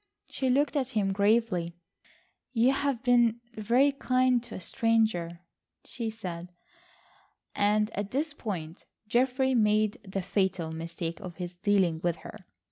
She looked at him gravely. "You have been very kind to a stranger," she said. And at this point Geoffrey made the fatal mistake of his dealing with her.